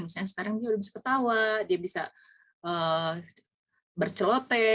misalnya sekarang dia sudah bisa ketawa dia bisa bercerita